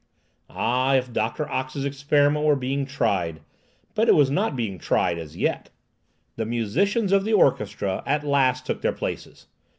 Ah, if Doctor Ox's experiment were being tried! But it was not being tried, as yet. The musicians of the orchestra at last took their places.